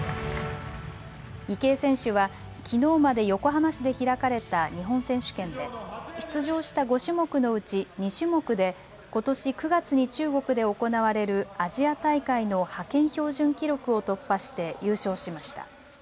池江選手はきのうまで横浜市で開かれた日本選手権で出場した５種目のうち２種目で、ことし９月に中国で行われるアジア大会の派遣標準記録を突破して優勝しました。